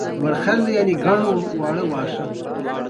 چې خېره پلار جانه